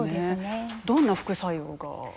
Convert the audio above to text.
どんな副作用が？